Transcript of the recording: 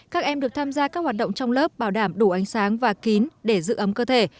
các em được tham gia các hoạt động trong lớp bảo đảm đủ ánh sáng và kín để giữ ấm cơ thể